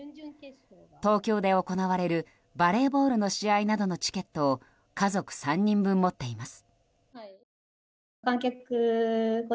東京で行われるバレーボールの試合などのチケットを家族３人分持っています。